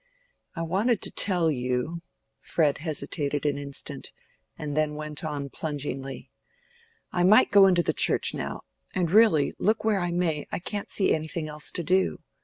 "I wanted to tell you—" Fred hesitated an instant and then went on plungingly, "I might go into the Church now; and really, look where I may, I can't see anything else to do.